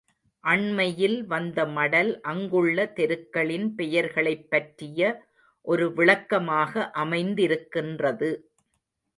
அண்மையில் வந்த மடல் அங்குள்ள தெருக்களின் பெயர்களைப் பற்றிய ஒரு விளக்கமாக அமைந்திருக்கின்றது.